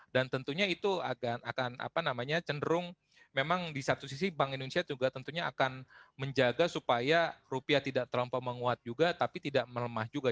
dan tentunya itu akan cenderung memang di satu sisi bank indonesia juga tentunya akan menjaga supaya rupiah tidak terlalu menguat juga tapi tidak melemah juga